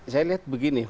saya lihat begini